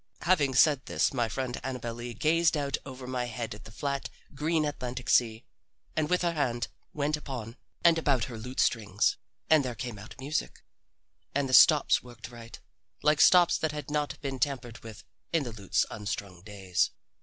Having said this, my friend Annabel Lee gazed out over my head at the flat, green Atlantic sea, and her hand went upon and about her lute strings, and there came out music. And the stops worked right, like stops that had not been tampered with in the lute's unstrung days.